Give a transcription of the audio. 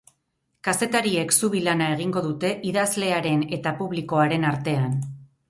Kazetariek zubi lana egingo dute idazlearen eta publikoaren artean.